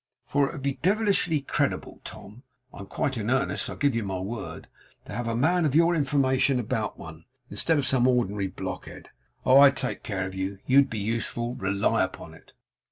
For it would be devilish creditable, Tom (I'm quite in earnest, I give you my word), to have a man of your information about one, instead of some ordinary blockhead. Oh, I'd take care of you. You'd be useful, rely upon it!